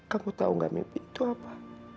kamu tahu nggak mif itu apa